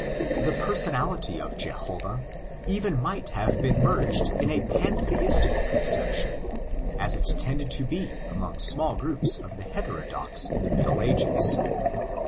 The personality of Jehovah even might have been merged in a pantheistic conception, as 16 tended to be among small groups of the heterodox in the Middle Ages.